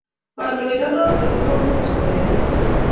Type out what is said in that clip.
Kandoindet noto ko mamach kogerech